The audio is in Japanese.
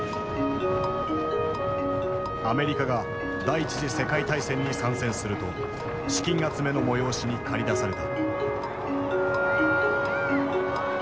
アメリカが第一次世界大戦に参戦すると資金集めの催しに駆り出された。